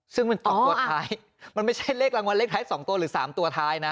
ซึ่งมันตกตัวท้ายมันไม่ใช่เลขรางวัลเลขท้าย๒ตัวหรือ๓ตัวท้ายนะ